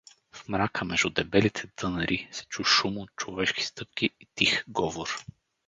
В мрака, между дебелите дънери, се чу шум от човешки стъпки и тих говор.